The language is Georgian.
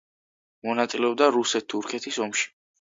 მონაწილეობდა რუსეთ-თურქეთის ომში.